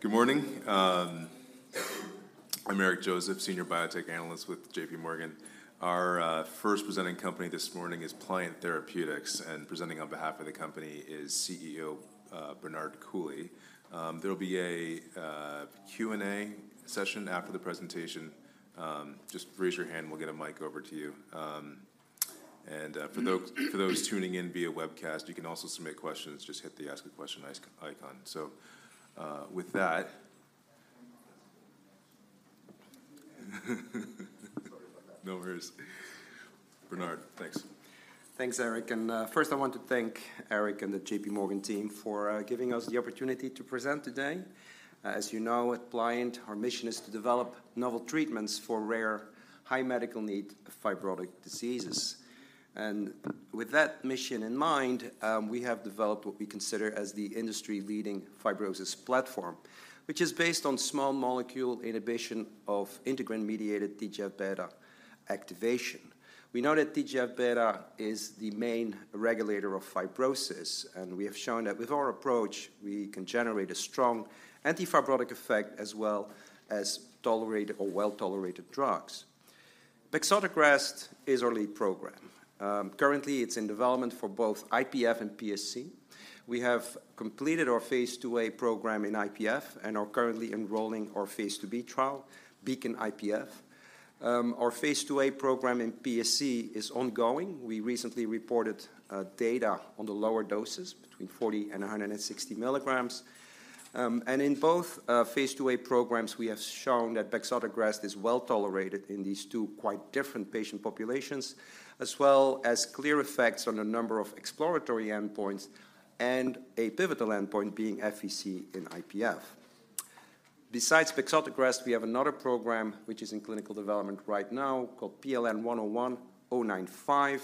Good morning. I'm Eric Joseph, Senior Biotech Analyst with JPMorgan. Our first presenting company this morning is Pliant Therapeutics, and presenting on behalf of the company is CEO Bernard Coulie. There'll be a Q&A session after the presentation. Just raise your hand, and we'll get a mic over to you. And for those tuning in via webcast, you can also submit questions. Just hit the Ask a Question icon. So, with that... Sorry about that. No worries. Bernard, thanks. Thanks, Eric, and first I want to thank Eric and the JPMorgan team for giving us the opportunity to present today. As you know, at Pliant, our mission is to develop novel treatments for rare, high medical need fibrotic diseases. With that mission in mind, we have developed what we consider as the industry-leading fibrosis platform, which is based on small molecule inhibition of integrin-mediated TGF-beta activation. We know that TGF-beta is the main regulator of fibrosis, and we have shown that with our approach, we can generate a strong antifibrotic effect, as well as tolerate or well-tolerated drugs. Bexotegrast is our lead program. Currently, it's in development for both IPF and PSC. We have completed our phase IIa program in IPF and are currently enrolling our phase IIb trial, BEACON-IPF. Our phase IIa program in PSC is ongoing. We recently reported data on the lower doses between 40 mg and 160 mg. And in both phase IIa programs, we have shown that bexotegrast is well-tolerated in these two quite different patient populations, as well as clear effects on a number of exploratory endpoints and a pivotal endpoint being FVC in IPF. Besides bexotegrast, we have another program, which is in clinical development right now, called PLN-101095.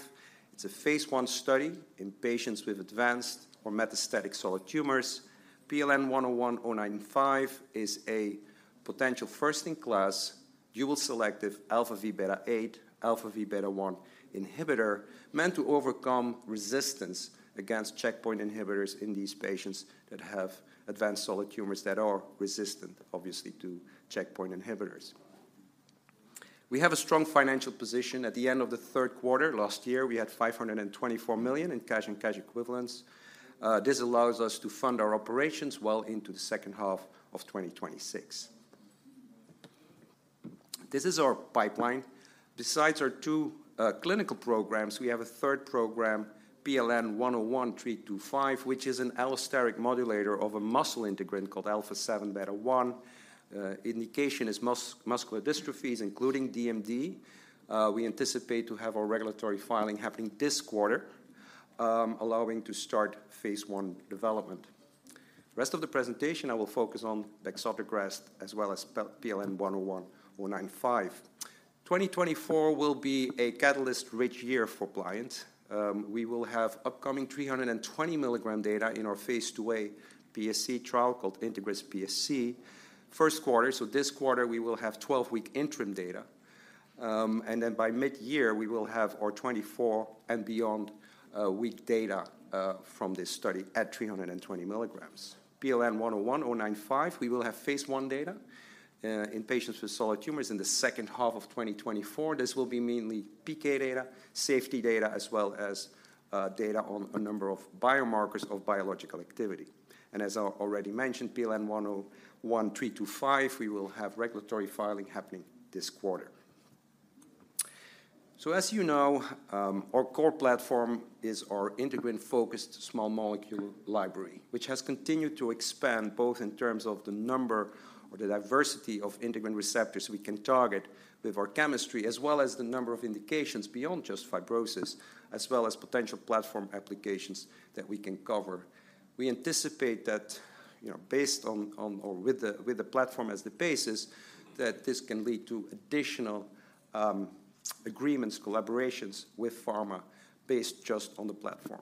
It's a phase I study in patients with advanced or metastatic solid tumors. PLN-101095 is a potential first-in-class, dual-selective alpha V beta 8, alpha V beta 1 inhibitor, meant to overcome resistance against checkpoint inhibitors in these patients that have advanced solid tumors that are resistant, obviously, to checkpoint inhibitors. We have a strong financial position. At the end of the third quarter last year, we had $524 million in cash and cash equivalents. This allows us to fund our operations well into the second half of 2026. This is our pipeline. Besides our two clinical programs, we have a third program, PLN-101325, which is an allosteric modulator of a muscle integrin called alpha 7 beta 1. Indication is muscular dystrophies, including DMD. We anticipate to have our regulatory filing happening this quarter, allowing to start phase I development. The rest of the presentation, I will focus on bexotegrast as well as PLN-101095. 2024 will be a catalyst-rich year for Pliant. We will have upcoming 320 milligram data in our phase 2a PSC trial called INTEGRIS-PSC. First quarter, so this quarter, we will have 12-week interim data, and then by mid-year, we will have our 24- and beyond week data from this study at 320 milligrams. PLN-101095, we will have phase I data in patients with solid tumors in the second half of 2024. This will be mainly PK data, safety data, as well as data on a number of biomarkers of biological activity. And as I already mentioned, PLN-101325, we will have regulatory filing happening this quarter. So as you know, our core platform is our integrin-focused small molecule library, which has continued to expand both in terms of the number or the diversity of integrin receptors we can target with our chemistry, as well as the number of indications beyond just fibrosis, as well as potential platform applications that we can cover. We anticipate that, you know, based on, on-- or with the, with the platform as the basis, that this can lead to additional, agreements, collaborations with pharma based just on the platform.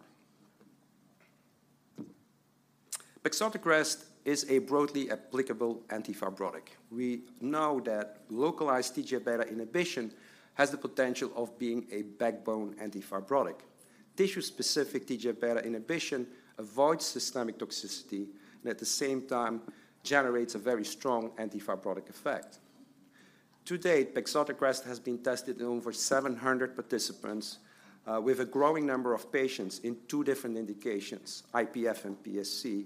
Bexotegrast is a broadly applicable antifibrotic. We know that localized TGF-beta inhibition has the potential of being a backbone antifibrotic. Tissue-specific TGF-beta inhibition avoids systemic toxicity and, at the same time, generates a very strong antifibrotic effect. To date, Bexotegrast has been tested in over 700 participants, with a growing number of patients in two different indications, IPF and PSC,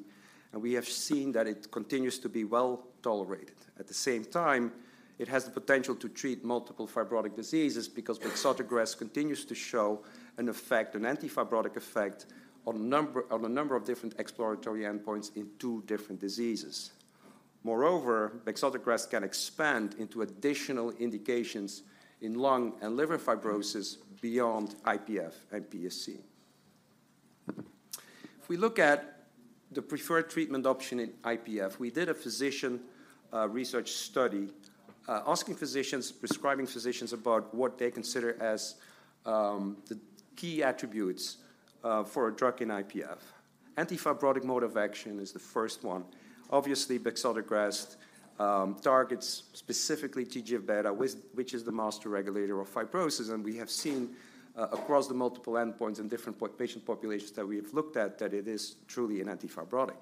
and we have seen that it continues to be well-tolerated. At the same time, it has the potential to treat multiple fibrotic diseases because Bexotegrast continues to show an effect, an antifibrotic effect, on number-- on a number of different exploratory endpoints in two different diseases. Moreover, bexotegrast can expand into additional indications in lung and liver fibrosis beyond IPF and PSC. If we look at the preferred treatment option in IPF, we did a physician research study asking physicians, prescribing physicians about what they consider as the key attributes for a drug in IPF. Antifibrotic mode of action is the first one. Obviously, bexotegrast targets specifically TGF-beta, which is the master regulator of fibrosis. And we have seen across the multiple endpoints in different patient populations that we have looked at, that it is truly an anti-fibrotic.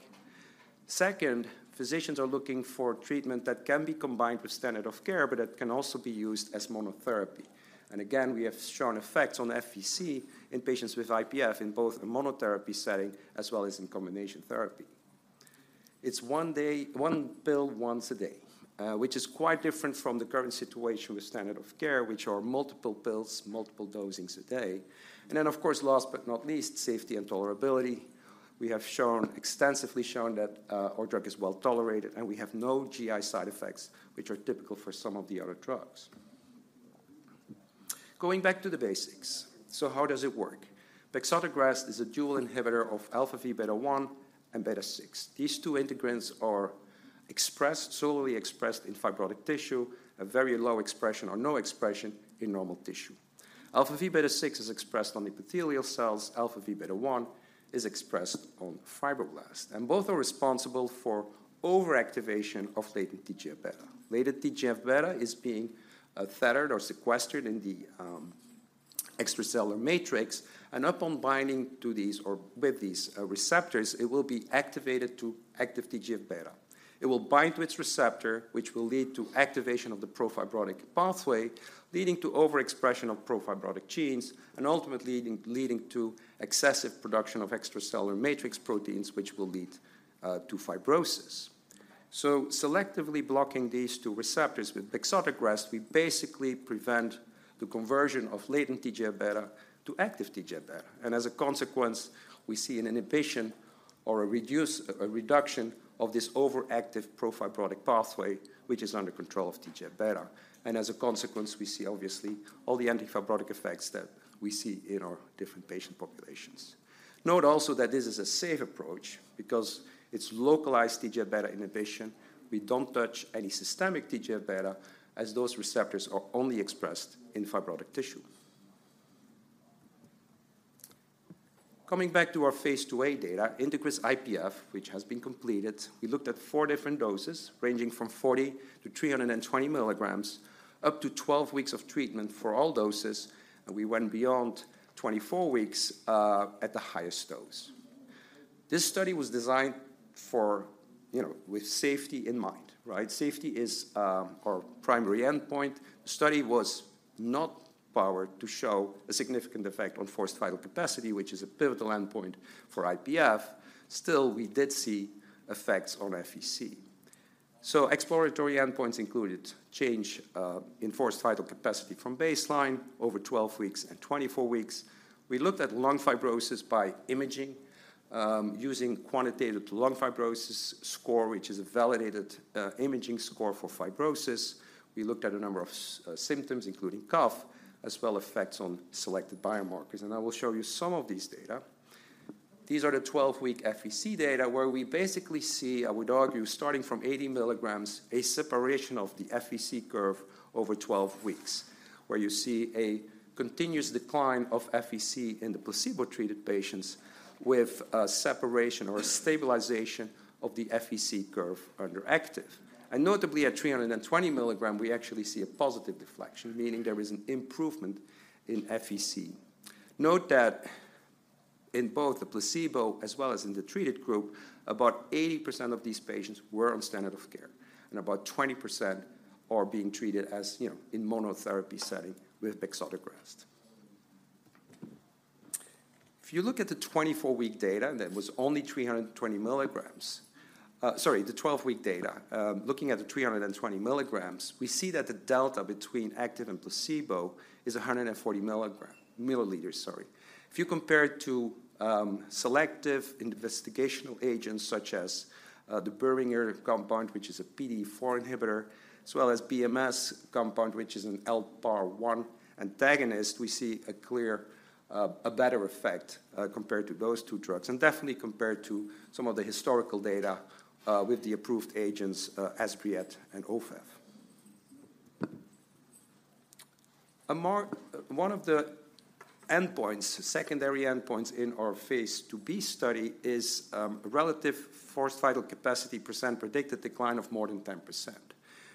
Second, physicians are looking for treatment that can be combined with standard of care, but it can also be used as monotherapy. And again, we have shown effects on FVC in patients with IPF in both a monotherapy setting as well as in combination therapy. It's one day- one pill once a day, which is quite different from the current situation with standard of care, which are multiple pills, multiple dosings a day. And then, of course, last but not least, safety and tolerability. We have shown- extensively shown that, our drug is well-tolerated, and we have no GI side effects, which are typical for some of the other drugs. Going back to the basics. So how does it work? Bexotegrast is a dual inhibitor of alpha V, beta 1 and beta 6. These two integrins are expressed, solely expressed in fibrotic tissue, a very low expression or no expression in normal tissue. Alpha V, beta 6 is expressed on epithelial cells. Alpha V, beta 1 is expressed on fibroblasts, and both are responsible for overactivation of latent TGF-beta. Latent TGF-beta is being tethered or sequestered in the extracellular matrix, and upon binding to these or with these receptors, it will be activated to active TGF-beta. It will bind to its receptor, which will lead to activation of the pro-fibrotic pathway, leading to overexpression of pro-fibrotic genes, and ultimately, leading to excessive production of extracellular matrix proteins, which will lead to fibrosis. So selectively blocking these two receptors with bexotegrast, we basically prevent the conversion of latent TGF-beta to active TGF-beta. And as a consequence, we see an inhibition or a reduction of this overactive pro-fibrotic pathway, which is under control of TGF-beta. And as a consequence, we see obviously all the anti-fibrotic effects that we see in our different patient populations. Note also that this is a safe approach because it's localized TGF-beta inhibition. We don't touch any systemic TGF-beta, as those receptors are only expressed in fibrotic tissue. Coming back to our phase IIa data, INTEGRIS-IPF, which has been completed, we looked at four different doses, ranging from 40 mg-320 mg, up to 12 weeks of treatment for all doses, and we went beyond 24 weeks at the highest dose. This study was designed for, you know, with safety in mind, right? Safety is our primary endpoint. The study was not powered to show a significant effect on forced vital capacity, which is a pivotal endpoint for IPF. Still, we did see effects on FVC. So exploratory endpoints included change in forced vital capacity from baseline over 12 weeks and 24 weeks. We looked at lung fibrosis by imaging using Quantitative Lung Fibrosis score, which is a validated imaging score for fibrosis. We looked at a number of symptoms, including cough, as well as effects on selected biomarkers, and I will show you some of these data. These are the 12-week FVC data, where we basically see, I would argue, starting from 80 mg, a separation of the FVC curve over 12 weeks, where you see a continuous decline of FVC in the placebo-treated patients with a separation or a stabilization of the FVC curve under active. Notably, at 320 mg, we actually see a positive deflection, meaning there is an improvement in FVC. Note that in both the placebo as well as in the treated group, about 80% of these patients were on standard of care, and about 20% are being treated, as you know, in monotherapy setting with bexotegrast. If you look at the 24-week data, that was only 320 mg- sorry, the 12-week data, looking at the 320 mg, we see that the delta between active and placebo is 140 ml, sorry. If you compare it to selective investigational agents, such as the Boehringer compound, which is a PDE4 inhibitor, as well as BMS compound, which is an LPAR1 antagonist, we see a clear, a better effect, compared to those two drugs, and definitely compared to some of the historical data with the approved agents, Esbriet and Ofev. One of the endpoints, secondary endpoints in our phase IIb study is relative forced vital capacity percent predicted decline of more than 10%.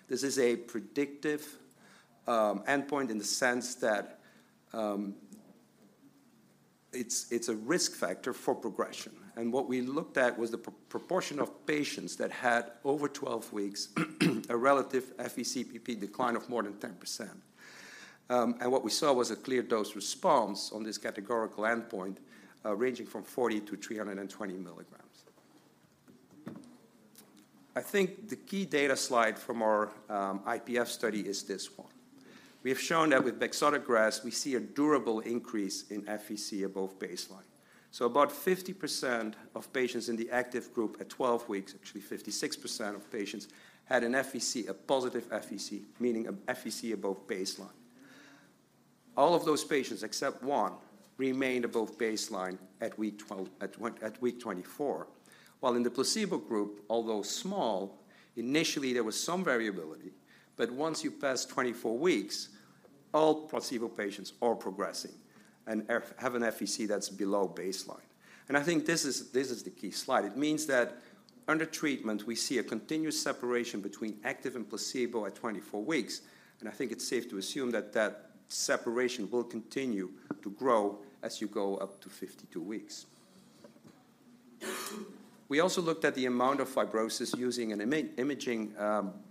This is a predictive endpoint in the sense that it's a risk factor for progression. And what we looked at was the proportion of patients that had, over 12 weeks, a relative FVC PP decline of more than 10%. And what we saw was a clear dose response on this categorical endpoint, ranging from 40 mg-320 mg. I think the key data slide from our IPF study is this one. We have shown that with bexotegrast, we see a durable increase in FVC above baseline. So about 50% of patients in the active group at 12 weeks, actually 56% of patients, had an FVC, a positive FVC, meaning an FVC above baseline. All of those patients, except one, remained above baseline at week 12 at week 24, while in the placebo group, although small, initially there was some variability, but once you pass 24 weeks, all placebo patients are progressing and have an FVC that's below baseline, and I think this is, this is the key slide. It means that under treatment, we see a continuous separation between active and placebo at 24 weeks, and I think it's safe to assume that that separation will continue to grow as you go up to 52 weeks. We also looked at the amount of fibrosis using an imaging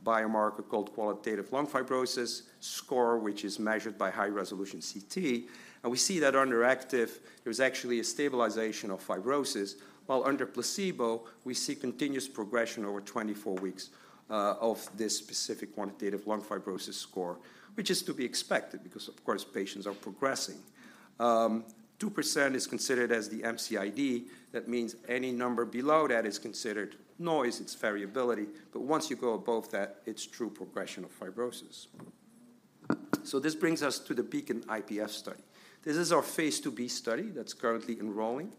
biomarker called Qualitative Lung Fibrosis score, which is measured by high-resolution CT, and we see that under active, there's actually a stabilization of fibrosis, while under placebo, we see continuous progression over 24 weeks of this specific quantitative lung fibrosis score, which is to be expected because, of course, patients are progressing. Two percent is considered as the MCID. That means any number below that is considered noise, it's variability, but once you go above that, it's true progression of fibrosis. So this brings us to the BEACON-IPF study. This is our phase IIb study that's currently enrolling.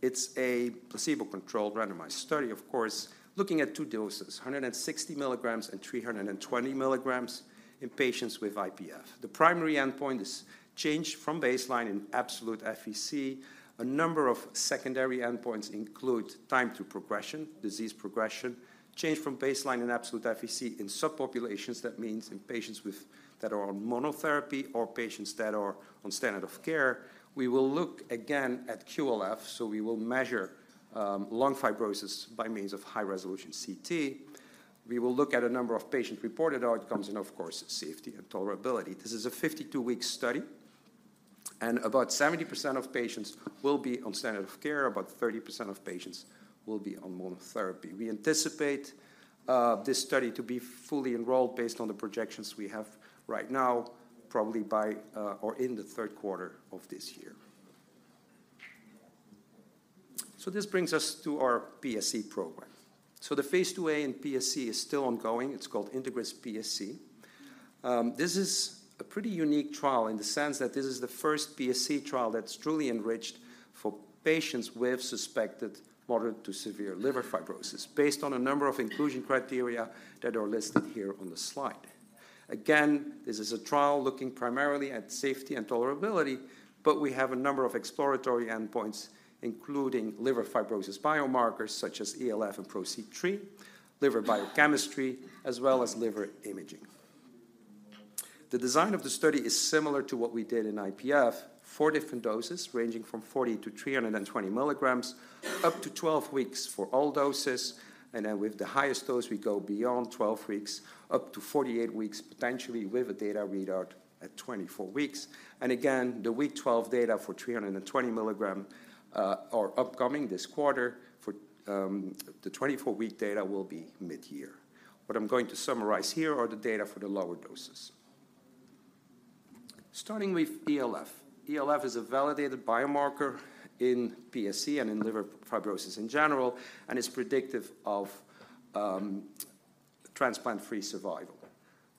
It's a placebo-controlled randomized study, of course, looking at two doses, 160 mg and 320 mg in patients with IPF. The primary endpoint is changed from baseline in absolute FVC. A number of secondary endpoints include time to progression, disease progression, change from baseline and absolute FVC in subpopulations. That means in patients that are on monotherapy or patients that are on standard of care. We will look again at QLF, so we will measure lung fibrosis by means of high-resolution CT. We will look at a number of patient-reported outcomes and, of course, safety and tolerability. This is a 52-week study, and about 70% of patients will be on standard of care. About 30% of patients will be on monotherapy. We anticipate this study to be fully enrolled based on the projections we have right now, probably by or in the third quarter of this year. So this brings us to our PSC program. So the phase IIa in PSC is still ongoing. It's called INTEGRIS-PSC. This is a pretty unique trial in the sense that this is the first PSC trial that's truly enriched for patients with suspected moderate to severe liver fibrosis, based on a number of inclusion criteria that are listed here on the slide. Again, this is a trial looking primarily at safety and tolerability, but we have a number of exploratory endpoints, including liver fibrosis biomarkers such as ELF and PRO-C3, liver biochemistry, as well as liver imaging. The design of the study is similar to what we did in IPF. Four different doses, ranging from 40 mg-320 mg, up to 12 weeks for all doses, and then with the highest dose, we go beyond 12 weeks, up to 48 weeks, potentially with a data readout at 24 weeks. And again, the week 12 data for 320 mg, are upcoming this quarter for... The 24-week data will be mid-year. What I'm going to summarize here are the data for the lower doses. Starting with ELF. ELF is a validated biomarker in PSC and in liver fibrosis in general, and it's predictive of, transplant-free survival.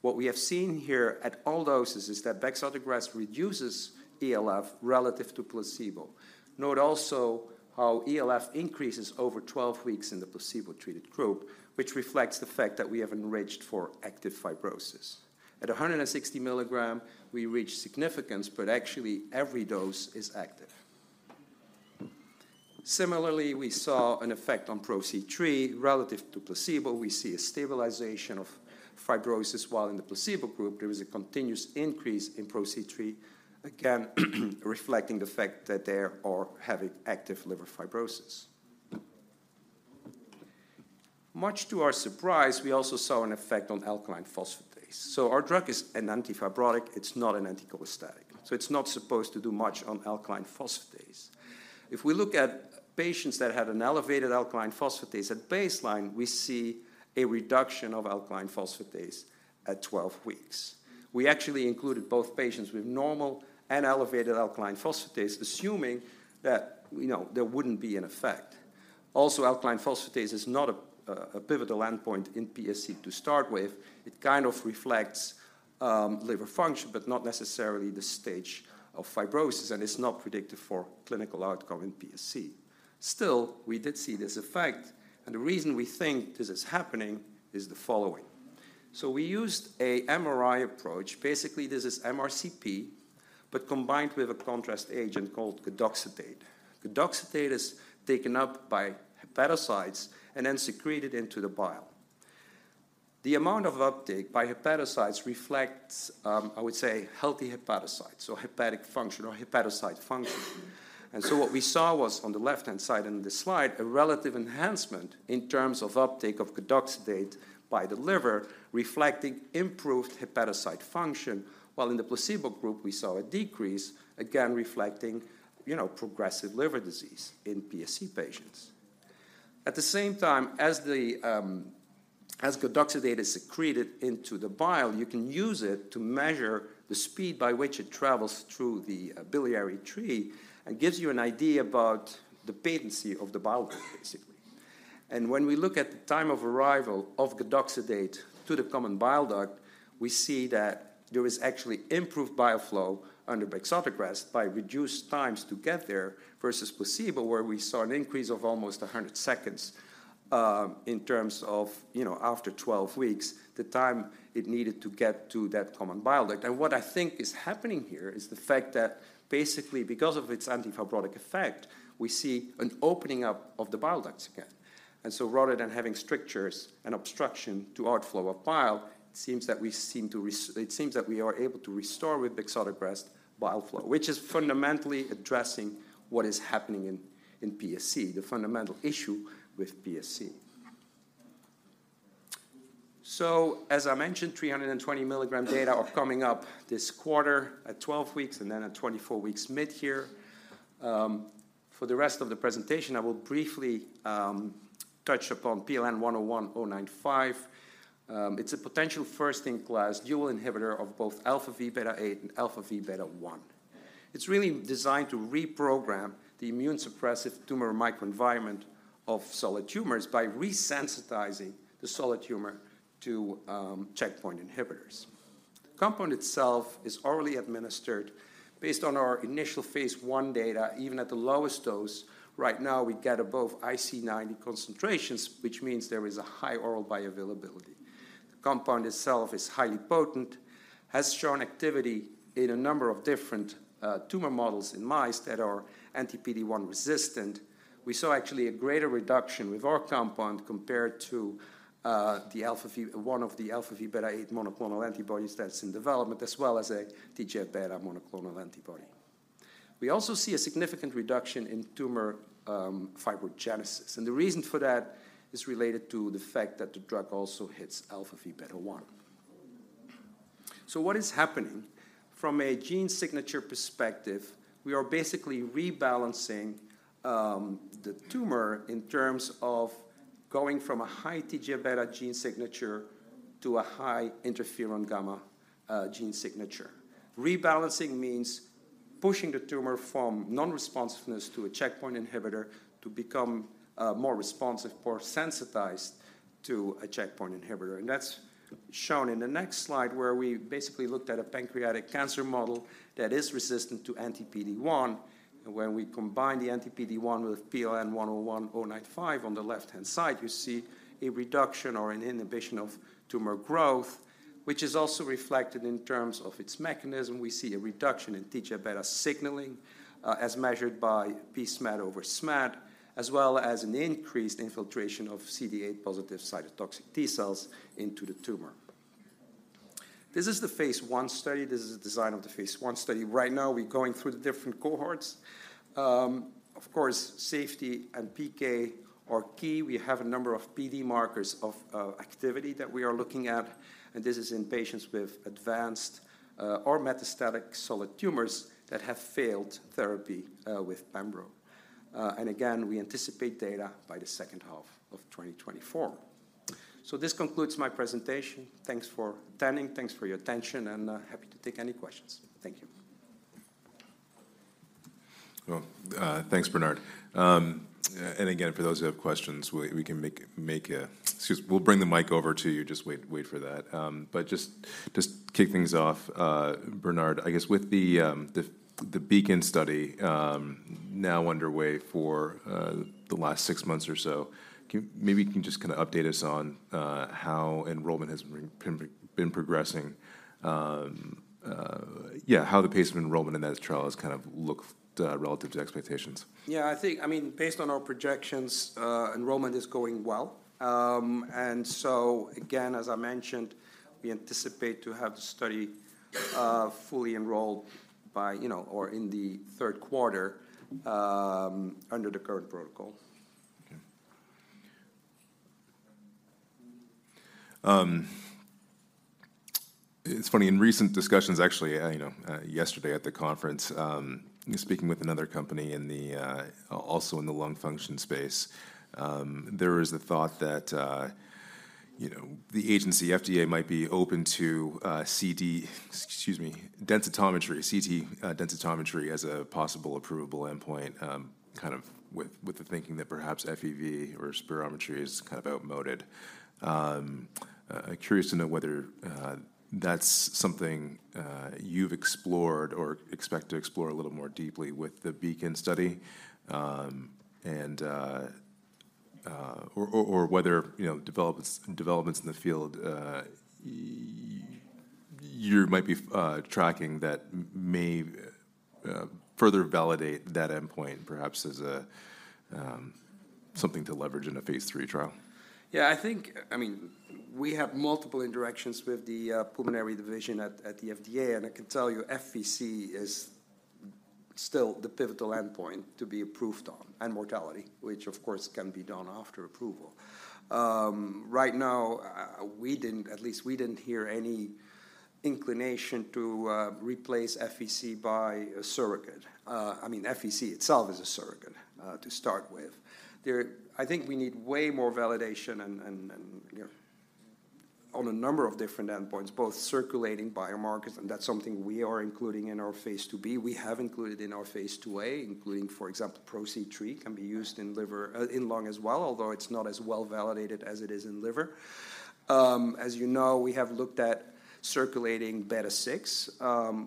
What we have seen here at all doses is that bexotegrast reduces ELF relative to placebo. Note also how ELF increases over 12 weeks in the placebo-treated group, which reflects the fact that we have enriched for active fibrosis. At 160 mg, we reach significance, but actually, every dose is active. Similarly, we saw an effect on PRO-C3. Relative to placebo, we see a stabilization of fibrosis, while in the placebo group, there is a continuous increase in PRO-C3, again, reflecting the fact that they are having active liver fibrosis. Much to our surprise, we also saw an effect on alkaline phosphatase. So our drug is an antifibrotic. It's not an anticolestatic, so it's not supposed to do much on alkaline phosphatase. If we look at patients that had an elevated alkaline phosphatase at baseline, we see a reduction of alkaline phosphatase at 12 weeks. We actually included both patients with normal and elevated alkaline phosphatase, assuming that, you know, there wouldn't be an effect. Also, alkaline phosphatase is not a pivotal endpoint in PSC to start with. It kind of reflects, liver function, but not necessarily the stage of fibrosis, and it's not predictive for clinical outcome in PSC. Still, we did see this effect, and the reason we think this is happening is the following: So we used an MRI approach. Basically, this is MRCP, but combined with a contrast agent called gadoxetate. Gadoxetate is taken up by hepatocytes and then secreted into the bile. The amount of uptake by hepatocytes reflects, I would say, healthy hepatocytes, so hepatic function or hepatocyte function. And so what we saw was, on the left-hand side in this slide, a relative enhancement in terms of uptake of gadoxetate by the liver, reflecting improved hepatocyte function, while in the placebo group, we saw a decrease, again, reflecting, you know, progressive liver disease in PSC patients. At the same time, as the as gadoxetate is secreted into the bile, you can use it to measure the speed by which it travels through the biliary tree and gives you an idea about the patency of the biliary, basically. And when we look at the time of arrival of the gadoxetate to the common bile duct, we see that there is actually improved bile flow under bexotegrast by reduced times to get there versus placebo, where we saw an increase of almost 100 seconds in terms of, you know, after 12 weeks, the time it needed to get to that common bile duct. And what I think is happening here is the fact that basically, because of its anti-fibrotic effect, we see an opening up of the bile ducts again. So rather than having strictures and obstruction to outflow of bile, it seems that we are able to restore with bexotegrast bile flow, which is fundamentally addressing what is happening in PSC, the fundamental issue with PSC. So, as I mentioned, 320 mg data are coming up this quarter at 12 weeks, and then at 24 weeks mid-year. For the rest of the presentation, I will briefly touch upon PLN-101095. It's a potential first-in-class dual inhibitor of both alpha V beta 8 and alpha V beta 1. It's really designed to reprogram the immune-suppressive tumor microenvironment of solid tumors by resensitizing the solid tumor to checkpoint inhibitors. The compound itself is orally administered based on our initial phase I data, even at the lowest dose. Right now, we get above IC 90 concentrations, which means there is a high oral bioavailability. The compound itself is highly potent, has shown activity in a number of different tumor models in mice that are anti-PD-1 resistant. We saw actually a greater reduction with our compound compared to the alpha V beta 8 monoclonal antibodies that's in development, as well as a TGF-beta monoclonal antibody. We also see a significant reduction in tumor fibrogenesis, and the reason for that is related to the fact that the drug also hits alpha V beta 1. So what is happening? From a gene signature perspective, we are basically rebalancing the tumor in terms of going from a high TGF-beta gene signature to a high interferon gamma gene signature. Rebalancing means pushing the tumor from non-responsiveness to a checkpoint inhibitor to become more responsive or sensitized to a checkpoint inhibitor. And that's shown in the next slide, where we basically looked at a pancreatic cancer model that is resistant to anti-PD-1. And when we combine the anti-PD-1 with PLN-101095, on the left-hand side, you see a reduction or an inhibition of tumor growth, which is also reflected in terms of its mechanism. We see a reduction in TGF-beta signaling as measured by p-SMAD over SMAD, as well as an increased infiltration of CD8-positive cytotoxic T cells into the tumor. This is the phase I study. This is the design of the phase I study. Right now, we're going through the different cohorts. Of course, safety and PK are key. We have a number of PD markers of activity that we are looking at, and this is in patients with advanced or metastatic solid tumors that have failed therapy with pembro. And again, we anticipate data by the second half of 2024. So this concludes my presentation. Thanks for attending. Thanks for your attention, and happy to take any questions. Thank you. Well, thanks, Bernard. And again, for those who have questions, we can make a... Excuse me. We'll bring the mic over to you. Just wait for that. But just to kick things off, Bernard, I guess with the BEACON study now underway for the last six months or so, can- maybe you can just kinda update us on how enrollment has been progressing, yeah, how the pace of enrollment in that trial has kind of looked relative to expectations? Yeah, I think... I mean, based on our projections, enrollment is going well. And so again, as I mentioned, we anticipate to have the study fully enrolled by, you know, or in the third quarter, under the current protocol. Okay. It's funny, in recent discussions, actually, you know, yesterday at the conference, speaking with another company in the also in the lung function space, there is a thought that, you know, the agency, FDA, might be open to CT densitometry as a possible approvable endpoint, kind of with the thinking that perhaps FEV or spirometry is kind of outmoded. I'm curious to know whether that's something you've explored or expect to explore a little more deeply with the BEACON study, and or whether, you know, developments in the field you might be tracking that may further validate that endpoint, perhaps as something to leverage in a phase III trial. Yeah, I think, I mean, we have multiple interactions with the pulmonary division at the FDA, and I can tell you FVC is still the pivotal endpoint to be approved on, and mortality, which of course, can be done after approval. Right now, we didn't, at least we didn't hear any inclination to replace FVC by a surrogate. I mean, FVC itself is a surrogate to start with. I think we need way more validation and, you know, on a number of different endpoints, both circulating biomarkers, and that's something we are including in our phase IIb. We have included in our phase IIa, including, for example, PRO-C3 can be used in liver in lung as well, although it's not as well-validated as it is in liver. As you know, we have looked at circulating beta 6,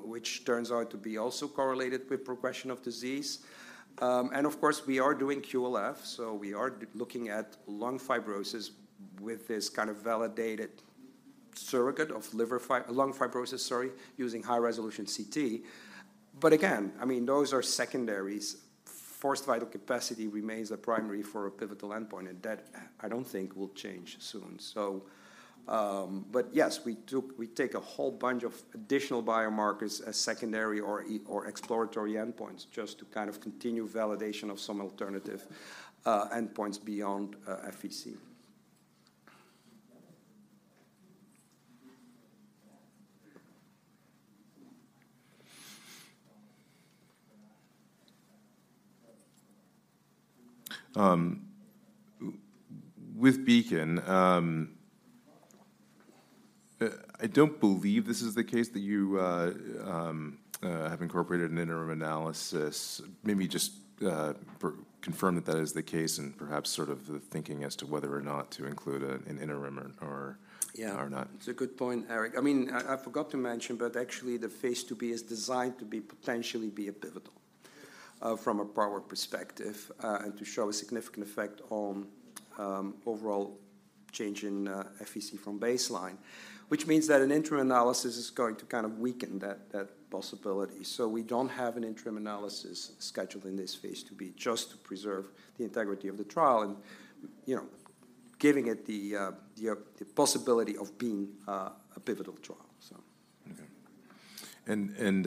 which turns out to be also correlated with progression of disease. And of course, we are doing QLF, so we are looking at lung fibrosis with this kind of validated surrogate of lung fibrosis, sorry, using high-resolution CT. But again, I mean, those are secondaries. Forced vital capacity remains the primary for a pivotal endpoint, and that I don't think will change soon. So, but yes, we do take a whole bunch of additional biomarkers as secondary or exploratory endpoints, just to kind of continue validation of some alternative endpoints beyond FVC. With BEACON, I don't believe this is the case, that you have incorporated an interim analysis. Maybe just confirm that that is the case and perhaps sort of the thinking as to whether or not to include an interim or... Yeah. Or not. It's a good point, Eric. I mean, I forgot to mention, but actually, the Phase 2b is designed to be potentially be a pivotal, from a power perspective, and to show a significant effect on overall change in FVC from baseline, which means that an interim analysis is going to kind of weaken that possibility. So we don't have an interim analysis scheduled in this Phase 2b, just to preserve the integrity of the trial and, you know, giving it the possibility of being a pivotal trial, so. Okay. And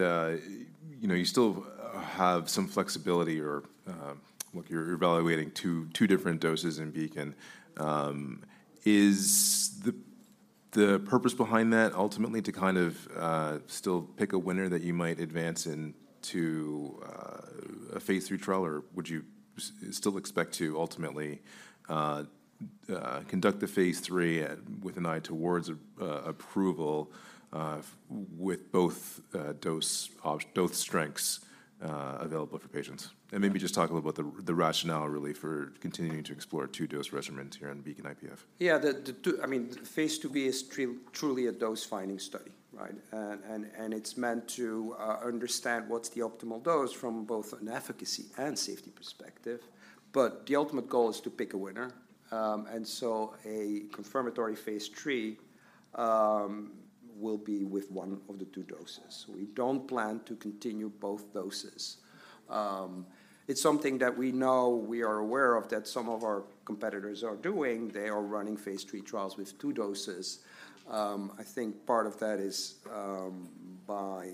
you know, you still have some flexibility or... look, you're evaluating two different doses in BEACON. Is the purpose behind that ultimately to kind of still pick a winner that you might advance into a phase III trial? Or would you still expect to ultimately conduct the phase III with an eye towards approval with both dose strengths available for patients? And maybe just talk a little about the rationale really for continuing to explore a two-dose regimen here in BEACON IPF. Yeah, the Phase IIb is truly a dose-finding study, right? And it's meant to understand what's the optimal dose from both an efficacy and safety perspective. But the ultimate goal is to pick a winner. And so a confirmatory Phase III will be with one of the two doses. We don't plan to continue both doses. It's something that we know, we are aware of, that some of our competitors are doing. They are running Phase III trials with two doses. I think part of that is, by,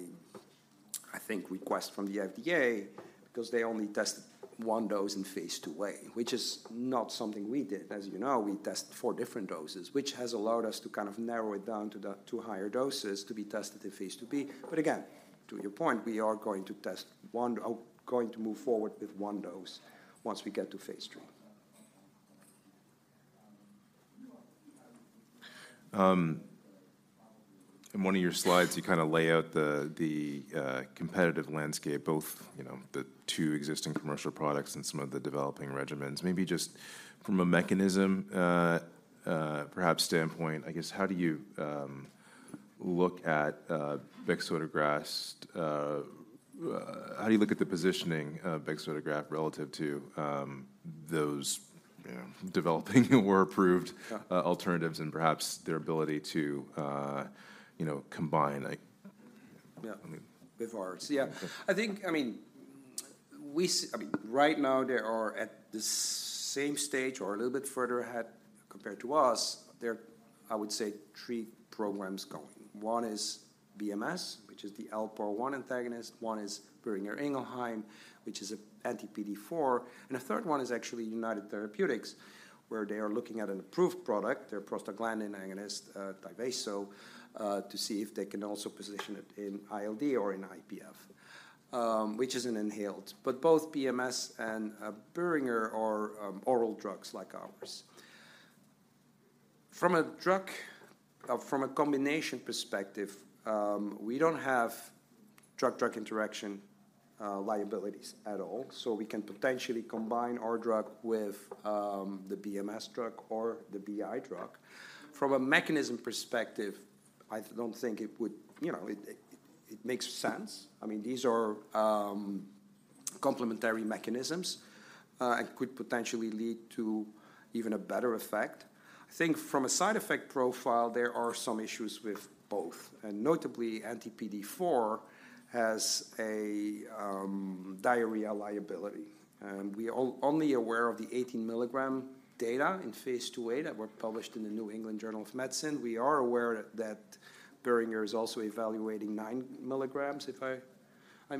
I think, request from the FDA, because they only tested one dose in Phase IIa, which is not something we did. As you know, we tested four different doses, which has allowed us to kind of narrow it down to the two higher doses to be tested in phase IIb. But again, to your point, we are going to test one, going to move forward with one dose once we get to phase III. In one of your slides, you kind of lay out the competitive landscape, both, you know, the two existing commercial products and some of the developing regimens. Maybe just from a mechanism, perhaps standpoint, I guess, how do you look at bexotegrast, how do you look at the positioning of bexotegrast relative to, um, those, you know, developing or approved- Yeah... alternatives and perhaps their ability to, you know, combine, like- Yeah. I mean- Before. Yeah. I think, I mean, right now, they are at the same stage or a little bit further ahead compared to us. There are, I would say, three programs going. One is BMS, which is the LPAR1 antagonist, one is Boehringer Ingelheim, which is a PDE4 inhibitor, and a third one is actually United Therapeutics, where they are looking at an approved product, their prostaglandin agonist, Tyvaso, to see if they can also position it in ILD or in IPF, which is an inhaled. But both BMS and Boehringer are oral drugs like ours. From a drug, from a combination perspective, we don't have drug-drug interaction liabilities at all, so we can potentially combine our drug with the BMS drug or the BI drug. From a mechanism perspective, I don't think it would, you know, it makes sense. I mean, these are complementary mechanisms, and could potentially lead to even a better effect. I think from a side effect profile, there are some issues with both, and notably, anti-PD-1 has a diarrhea liability. And we are only aware of the 18-milligram data in Phase IIa that were published in the New England Journal of Medicine. We are aware that Boehringer is also evaluating 9 mg,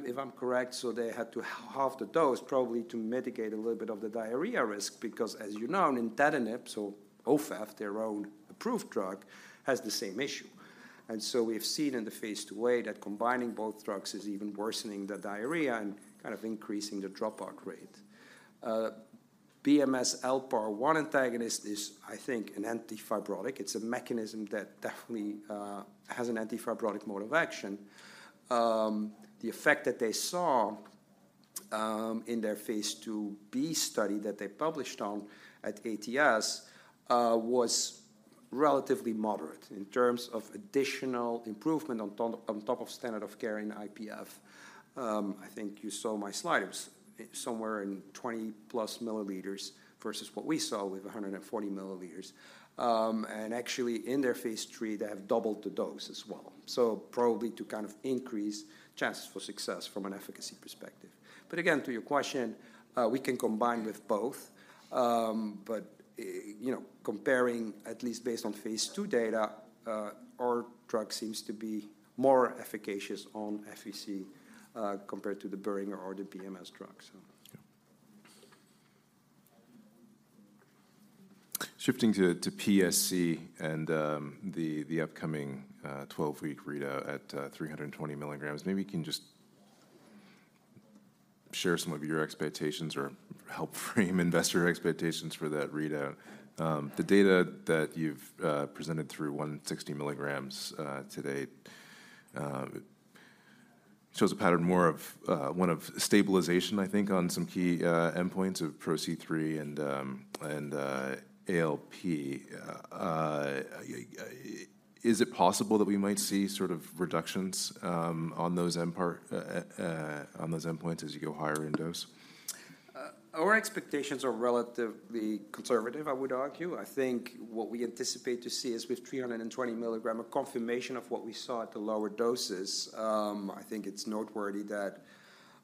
if I'm correct, so they had to half the dose, probably to mitigate a little bit of the diarrhea risk, because as you know, nintedanib, so Ofev, their own approved drug, has the same issue. And so we've seen in the Phase IIa that combining both drugs is even worsening the diarrhea and kind of increasing the dropout rate. BMS LPAR1 antagonist is, I think, an antifibrotic. It's a mechanism that definitely has an antifibrotic mode of action. The effect that they saw in their phase IIb study that they published on at ATS was relatively moderate in terms of additional improvement on top, on top of standard of care in IPF. I think you saw my slides. It's somewhere in 20+ ml versus what we saw with 140 ml. And actually, in their phase III, they have doubled the dose as well, so probably to kind of increase chances for success from an efficacy perspective. But again, to your question, we can combine with both. But, you know, comparing at least based on phase II data, our drug seems to be more efficacious on FVC, compared to the Boehringer or the BMS drug, so yeah. Shifting to PSC and the upcoming 12-week readout at 320 mg, maybe you can just share some of your expectations or help frame investor expectations for that readout. The data that you've presented through 160 mg to date shows a pattern more of one of stabilization, I think, on some key endpoints of PRO-C3 and ALP. Is it possible that we might see sort of reductions on those endpoints as you go higher in dose? Our expectations are relatively conservative, I would argue. I think what we anticipate to see is, with 320 mg, a confirmation of what we saw at the lower doses. I think it's noteworthy that,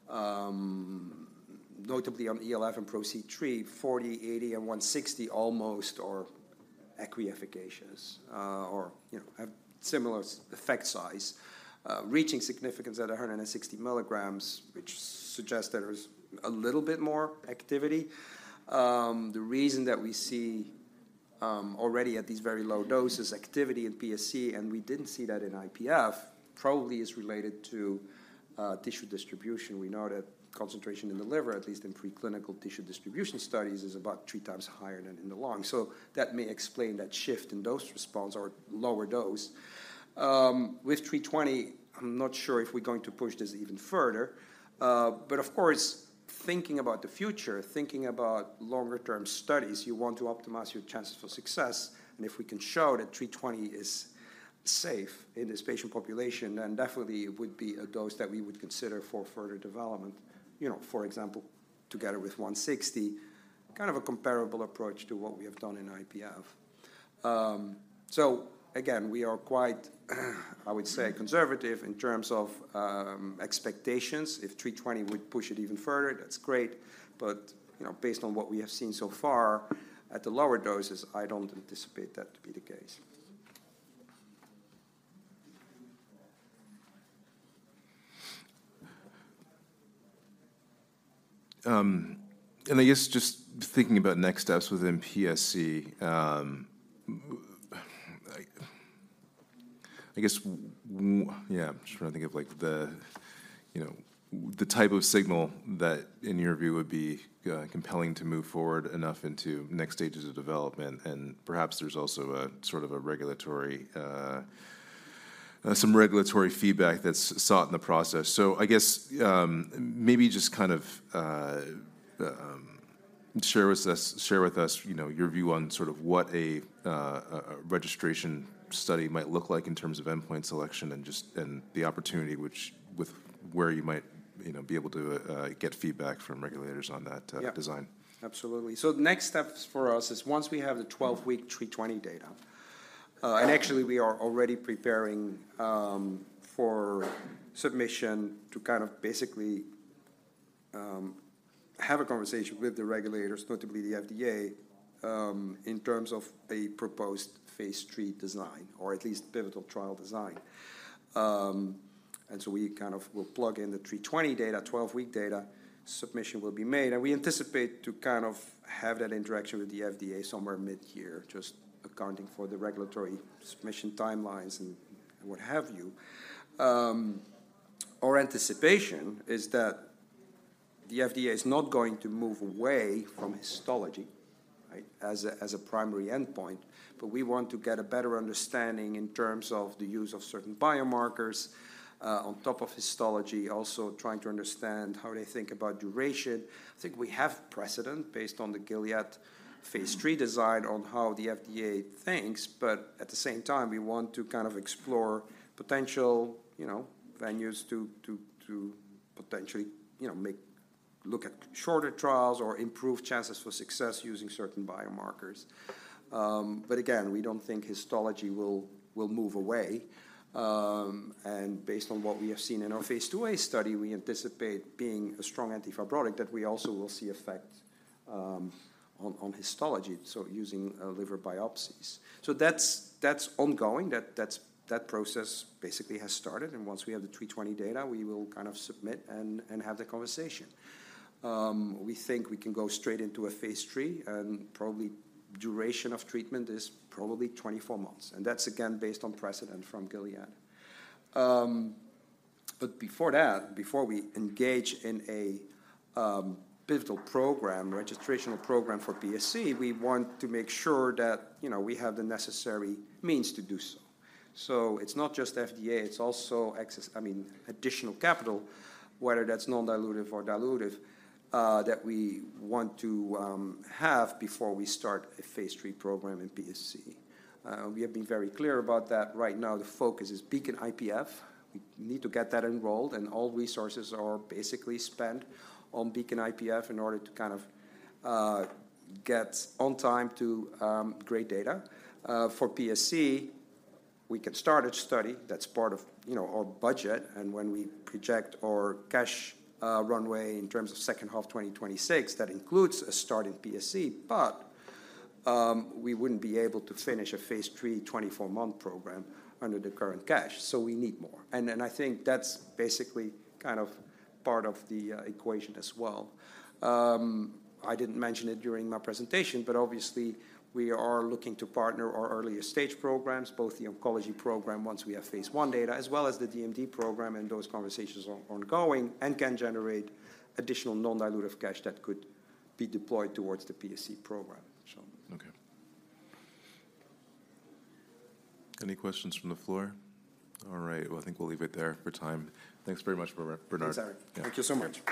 notably on ELF and PRO-C3, 40, 80, and 160 almost are equiafficacious, or, you know, have similar effect size, reaching significance at 160 mg, which suggests there is a little bit more activity. The reason that we see, already at these very low doses, activity in PSC, and we didn't see that in IPF, probably is related to, tissue distribution. We know that concentration in the liver, at least in preclinical tissue distribution studies, is about three times higher than in the lung, so that may explain that shift in dose response or lower dose. With 320, I'm not sure if we're going to push this even further. But of course, thinking about the future, thinking about longer-term studies, you want to optimize your chances for success, and if we can show that 320 is safe in this patient population, then definitely it would be a dose that we would consider for further development, you know, for example, together with 160. Kind of a comparable approach to what we have done in IPF. So again, we are quite, I would say, conservative in terms of expectations. If 320 would push it even further, that's great, but, you know, based on what we have seen so far at the lower doses, I don't anticipate that to be the case. And I guess just thinking about next steps within PSC, I guess yeah, I'm just trying to think of, like, the, you know, the type of signal that, in your view, would be compelling to move forward enough into next stages of development, and perhaps there's also a sort of a regulatory, some regulatory feedback that's sought in the process. So I guess, maybe just kind of, share with us, share with us, you know, your view on sort of what a a registration study might look like in terms of endpoint selection and just and the opportunity which with where you might, you know, be able to get feedback from regulators on that. Yeah... design. Absolutely. So the next steps for us is once we have the 12-week 320 data, and actually, we are already preparing for submission to kind of basically have a conversation with the regulators, notably the FDA, in terms of a proposed Phase III design or at least pivotal trial design. And so we kind of will plug in the 320 data, 12-week data, submission will be made, and we anticipate to kind of have that interaction with the FDA somewhere mid-year, just accounting for the regulatory submission timelines and what have you. Our anticipation is that the FDA is not going to move away from histology, right, as a primary endpoint, but we want to get a better understanding in terms of the use of certain biomarkers on top of histology, also trying to understand how they think about duration. I think we have precedent based on the Gilead phase III design on how the FDA thinks, but at the same time, we want to kind of explore potential, you know, venues to potentially, you know, look at shorter trials or improve chances for success using certain biomarkers. But again, we don't think histology will move away. And based on what we have seen in our phase IIa study, we anticipate being a strong antifibrotic, that we also will see effect on histology, so using liver biopsies. So that's ongoing. That process basically has started, and once we have the 320 data, we will kind of submit and have the conversation. We think we can go straight into a phase 3, and probably duration of treatment is probably 24 months, and that's, again, based on precedent from Gilead. But before that, before we engage in a pivotal program, registrational program for PSC, we want to make sure that, you know, we have the necessary means to do so. So it's not just FDA, it's also access, I mean, additional capital, whether that's non-dilutive or dilutive, that we want to have before we start a phase 3 program in PSC. We have been very clear about that. Right now, the focus is BEACON-IPF. We need to get that enrolled, and all resources are basically spent on BEACON-IPF in order to kind of get on time to great data. For PSC, we can start a study that's part of, you know, our budget, and when we project our cash runway in terms of second half of 2026, that includes a start in PSC, but we wouldn't be able to finish a phase III 24-month program under the current cash, so we need more. And then, I think that's basically kind of part of the equation as well. I didn't mention it during my presentation, but obviously, we are looking to partner our earlier-stage programs, both the oncology program, once we have phase I data, as well as the DMD program, and those conversations are ongoing and can generate additional non-dilutive cash that could be deployed towards the PSC program, so. Okay. Any questions from the floor? All right, well, I think we'll leave it there for time. Thanks very much, Bernard. Sorry. Yeah. Thank you so much.